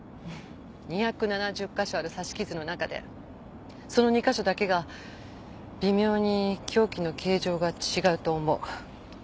２７０か所ある刺し傷の中でその２か所だけが微妙に凶器の形状が違うと思う。